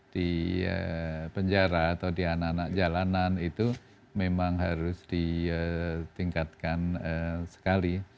di penjara atau di anak anak jalanan itu memang harus ditingkatkan sekali